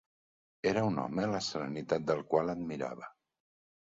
Era un home la serenitat del qual admirava.